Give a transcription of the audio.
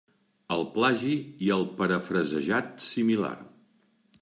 El plagi i el parafrasejat similar.